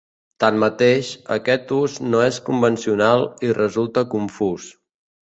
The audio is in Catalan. Tanmateix, aquest ús no és convencional i resulta confús.